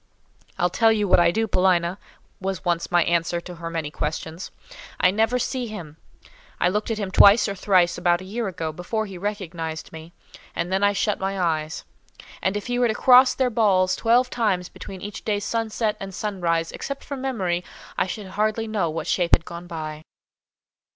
"I'll tell you what I do, Paulina," was once my answer to her many questions. "I never see him. I looked at him twice or thrice about a year ago, before he recognised me, and then I shut my eyes; and if he were to cross their balls twelve times between each day's sunset and sunrise, except from memory, I should hardly know what shape had gone by."